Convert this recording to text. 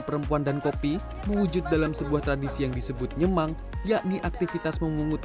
perempuan dan kopi mewujud dalam sebuah tradisi yang disebut nyemang yakni aktivitas memungut